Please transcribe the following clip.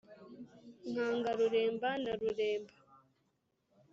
nkanka ruremba na ruremba